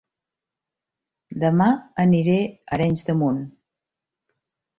Dema aniré a Arenys de Munt